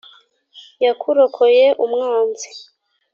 yakurokoye umwanzi